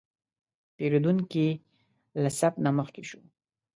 پیرودونکی له صف نه مخکې شو.